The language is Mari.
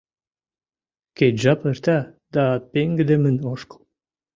Кеч жап эрта, да пеҥгыдемын ошкыл